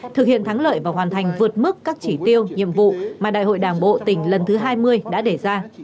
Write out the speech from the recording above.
thực hiện thắng lợi và hoàn thành vượt mức các chỉ tiêu nhiệm vụ mà đại hội đảng bộ tỉnh lần thứ hai mươi đã đề ra